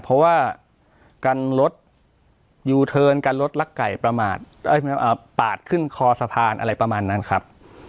เพราะว่ากันรถยูเทิร์นกันรถลักไก่ประมาทปาดขึ้นคอสะพานอะไรประมาณนั้นครับ